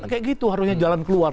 kayak gitu harusnya jalan keluar